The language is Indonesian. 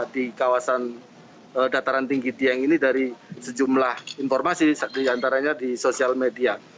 di kawasan dataran tinggi dieng ini dari sejumlah informasi diantaranya di sosial media